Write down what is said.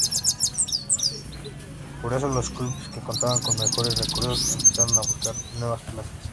Por eso, los clubes que contaban con mejores recursos empezaron a buscar nuevas plazas.